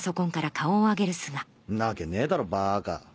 んなわけねえだろバーカ。